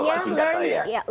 itu yang menjawab tindak saya